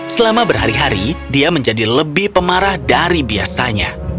selama berhari hari dia menjadi lebih pemarah dari biasanya